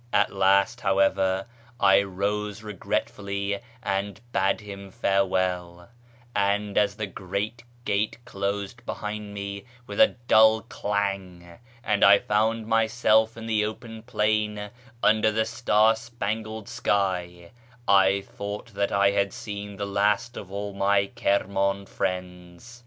At last, however, I rose regretfully and bade him farewell ; and, as the great gate closed behind me with a dull clang, and I found myself in the open plain under the star spangled sky, I thought that I had seen the last of all my Kirman friends.